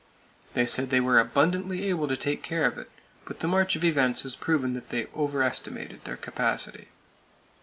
They said they were abundantly able to take care of it; but the march of events has proven that they overestimated their capacity.